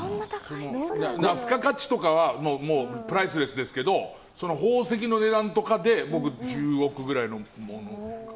付加価値とかはプライスレスですけれど宝石の値段とかで僕は１０億ぐらいの。